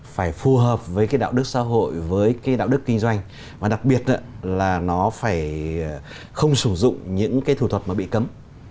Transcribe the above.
phải phù hợp với cái đạo đức xã hội với cái đạo đức kinh doanh và đặc biệt là nó phải không sử dụng những cái thủ thuật mà bị cấm